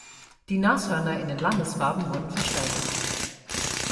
Die Nashörner in den Landesfarben wurden versteigert.